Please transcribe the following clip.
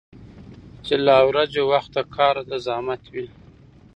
چي لا ورځ وي وخت د كار او د زحمت وي